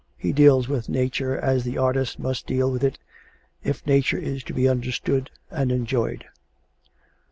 He deals with nature as the artist must deal with it if nature is to be understood and enjoyed.